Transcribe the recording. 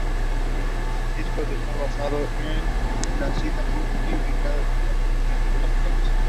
El disco está basado en la cita bíblica de "Los Cuatro Jinetes del Apocalipsis".